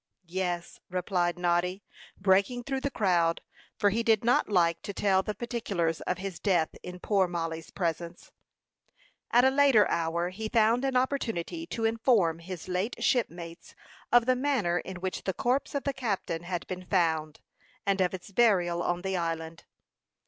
"Yes," replied Noddy, breaking through the crowd, for he did not like to tell the particulars of his death in poor Mollie's presence. At a later hour he found an opportunity to inform his late shipmates of the manner in which the corpse of the captain had been found, and of its burial on the island.